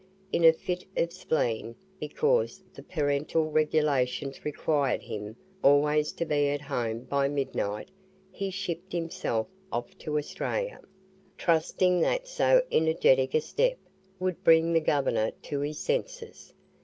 In a fit of spleen, because the parental regulations required him always to be at home by midnight, he shipped himself off to Australia, trusting that so energetic a step "would bring the govenor to his senses."